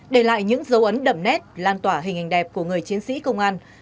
để lại những dấu ấn đậm nét lan tỏa hình hình đẹp của người chiến sĩ công an